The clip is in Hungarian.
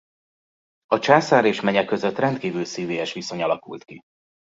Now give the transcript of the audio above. A császár és menye között rendkívül szívélyes viszony alakult ki.